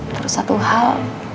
terus satu hal